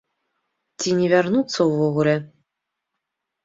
Ці не вярнуцца ўвогуле.